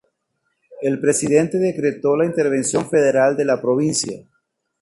El presidente decretó la intervención federal de la provincia.